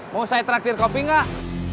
mau saya traktir kopi nggak